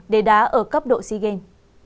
để đá ở cấp độ sea games